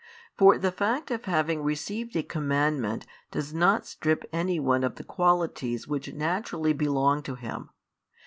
For the fact of having received a commandment does not strip any one of the qualities which naturally belong to him.